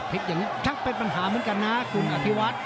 เป็นปัญหาเหมือนกันนะคุณกับที่วัด